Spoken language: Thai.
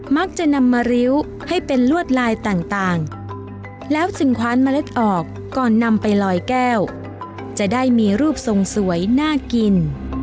มักจะนำมาริ้วให้เป็นลวดลายต่างแล้วจึงคว้านเมล็ดออกก่อนนำไปลอยแก้วจะได้มีรูปทรงสวยน่ากิน